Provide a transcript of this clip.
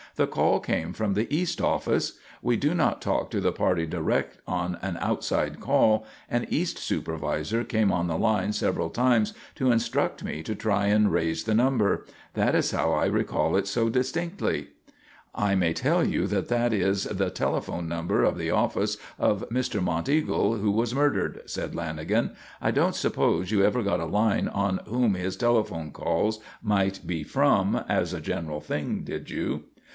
The call came from the east office. We do not talk to the party direct on an outside call, and east supervisor came on the line several times to instruct me to try and raise the number. That is how I recall it so distinctly." "I may tell you that that is the telephone number of the office of Mr. Monteagle, who was murdered," said Lanagan. "I don't suppose you ever got a line on whom his telephone calls might be from as a general thing, did you?"